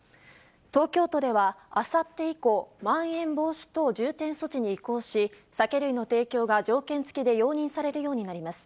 東京都ではあさって以降、まん延防止等重点措置に移行し、酒類の提供が条件付きで容認されるようになります。